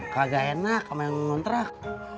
kagak enak main kontrak